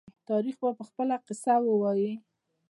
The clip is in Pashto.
تاریخ به خپله قصه ووايي.